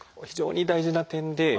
非常に大事な点で。